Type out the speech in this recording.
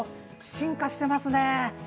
進化してますね。